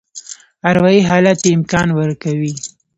اروایي حالت یې امکان ورکوي.